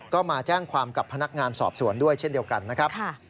ก็มาแจ้งความกับพนักงานสอบสวนด้วยเช่นเดียวกันนะครับ